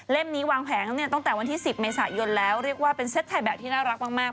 นี้วางแผงเนี่ยตั้งแต่วันที่๑๐เมษายนแล้วเรียกว่าเป็นเซตถ่ายแบบที่น่ารักมาก